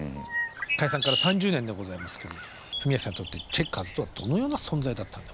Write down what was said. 解散から３０年でございますけどフミヤさんにとってチェッカーズとはどのような存在だったんでしょう？